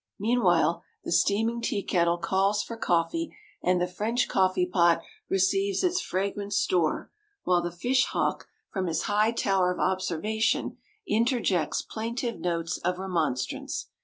Meanwhile the steaming tea kettle calls for coffee, and the French coffee pot receives its fragrant store; while the fish hawk, from his high tower of observation, interjects plaintive notes of remonstrance.